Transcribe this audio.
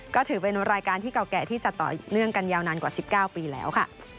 ก็ถือเป็นรายการที่เก่าแก่ที่จัดต่อเนื่องกันยาวนานกว่า๑๙ปีแล้วค่ะ